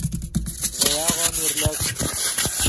ڤے یاغو میر لک